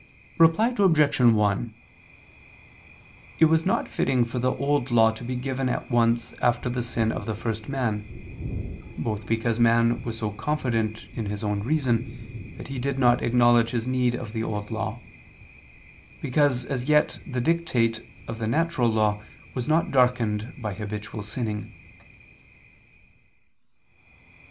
Reply Obj. 1: It was not fitting for the Old Law to be given at once after the sin of the first man: both because man was so confident in his own reason, that he did not acknowledge his need of the Old Law; because as yet the dictate of the natural law was not darkened by habitual sinning.